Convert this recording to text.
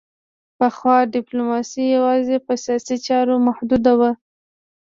پخوا ډیپلوماسي یوازې په سیاسي چارو محدوده وه